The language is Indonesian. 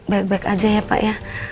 baik baik aja ya pak ya